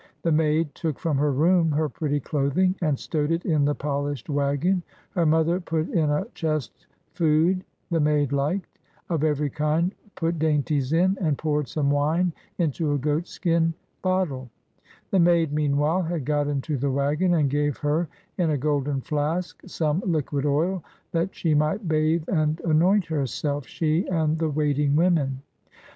The maid took from her room her pretty clothing, and stowed it in the polished wagon; her mother put in a chest food the maid liked, of every kind, put dainties in, and poured some wine into a goat skin bottle, — the maid, meanwhile, had got into the wagon, — and gave her in a golden flask some liquid oil, that she might bathe and anoint herself, she and the waiting women.